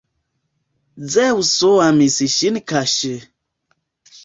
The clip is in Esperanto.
Zeŭso amis ŝin kaŝe.